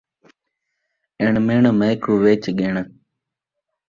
اِݨ مِݨ میکوں وچ ڳݨ